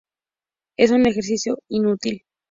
Es un ejercicio inútil.